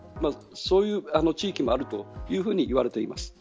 そういう地域もあるというふうに言われています。